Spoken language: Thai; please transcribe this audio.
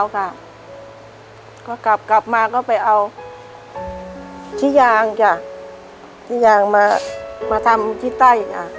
ก็กลับกลับมาก็ไปเอาขี้ยางจ้ะขี้ยางมามาทำที่ใต้จ้ะ